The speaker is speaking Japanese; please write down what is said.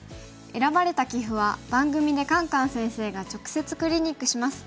選ばれた棋譜は番組でカンカン先生が直接クリニックします。